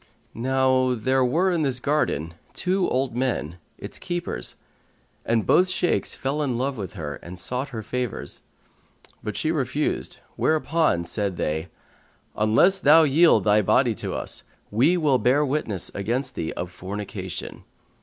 Now there were in this garden two old men, its keepers, and both Shaykhs fell in love with her and sought her favours; but she refused, whereupon said they, "Unless thou yield thy body to us, we will bear witness against thee of fornication."